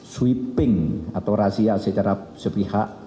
sweeping atau razia secara sepihak